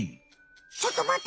ちょっとまって！